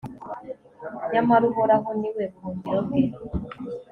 nyamara uhoraho ni we buhungiro bwe